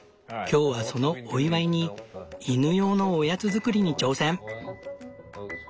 今日はそのお祝いに犬用のおやつ作りに挑戦！